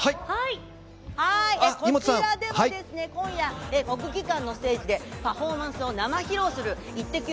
こちらでは今夜、国技館のステージで、パフォーマンスを生披露するイッテＱ！